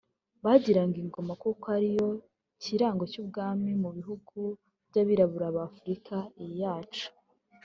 Bagiraga Ingoma kuko ariyo kirango cy’ubwami mu bihugu by’Abirabura ba Afurika iyi yacu